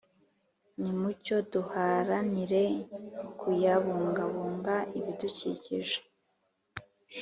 Nimucyo duharanire kuyabungabunga ibidukikije